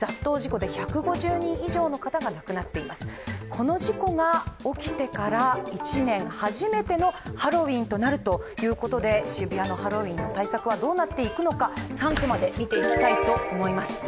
この事故が起きてから１年、初めてのハロウィーンになるということで渋谷のハロウィーンの対策はどうなっていくのか、３コマで見ていきたいと思います。